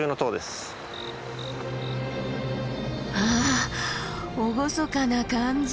わあ厳かな感じ。